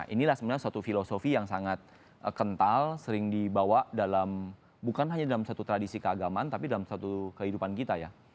inilah sebenarnya suatu filosofi yang sangat kental sering dibawa dalam bukan hanya dalam satu tradisi keagamaan tapi dalam suatu kehidupan kita ya